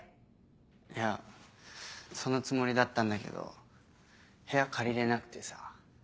いやそのつもりだったんだけど部屋借りれなくてさ。